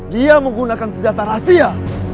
dia menggunakan senjata rahasia